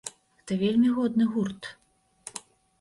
Гэта вельмі годны гурт.